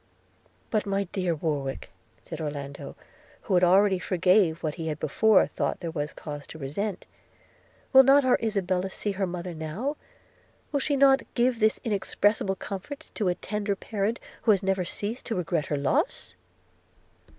'But, my dear Warwick,' said Orlando, who already forgave what he had before thought there was cause to resent, 'will not our Isabella see her mother now? – Will not she give this inexpressible comfort to a tender parent, who had never ceased to regret her loss?'